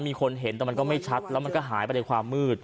มีคนเห็นแต่มันก็ไม่ชัดแล้วมันก็หายไปในความมืด